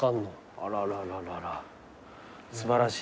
あららららら素晴らしい。